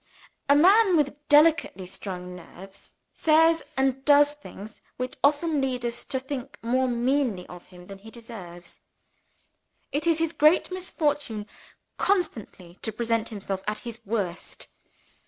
A man with delicately strung nerves says and does things which often lead us to think more meanly of him than he deserves. It is his great misfortune constantly to present himself at his worst.